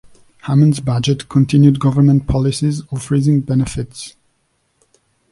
Hammond's budget continued government policies of freezing benefits.